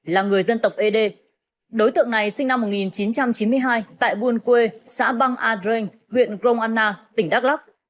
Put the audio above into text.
là người dân tộc ế đê đối tượng này sinh năm một nghìn chín trăm chín mươi hai tại buôn quê xã băng a dreanh huyện grong anna tỉnh đắk lắc